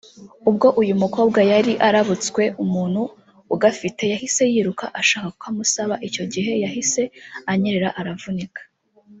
ubwo uyu mukobwa yari arabutswe umuntu ugafite yahise yiruka ashaka kukamusaba icyo gihe yahise anyerera aravunika